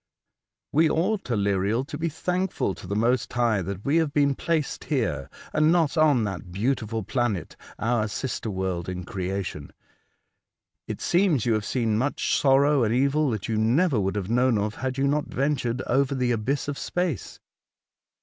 " We ought, Aleriel, to be thankful to the Most High that we have been placed here, and not on that beautiful planet, our sister world in creation. It seems you have seen much sorrow and evil that you never would have known of had you not ventured over the abyss of space."